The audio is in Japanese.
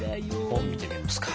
本見てみますか。